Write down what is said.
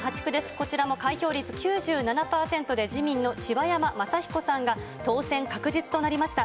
こちらも開票率９７％で、自民の柴山昌彦さんが当選確実となりました。